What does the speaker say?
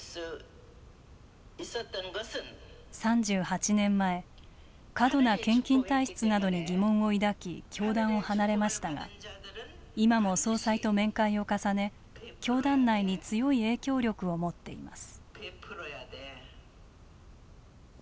３８年前過度な献金体質などに疑問を抱き教団を離れましたが今も総裁と面会を重ね教団内に強い影響力を持っています。